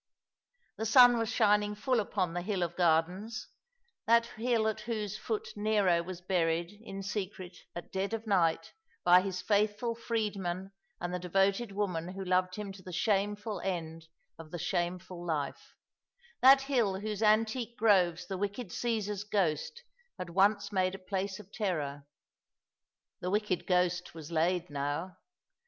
The sun Wfts shining full upon the Hill of Gardens, that hill at whos« 302 All along the River, foot Nero was buried in secret at dead of night by his faithful freedman and the devoted woman who loved him to the shameful end of the shameful life ; that hill whose antique groves the wicked Caesar's ghost had once made a place of terror. The wicked ghost was laid now.